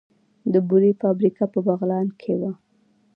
د بورې فابریکه په بغلان کې وه